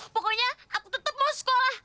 pokoknya aku tetap mau sekolah